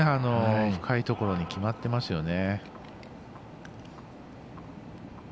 深いところに決まってますよね。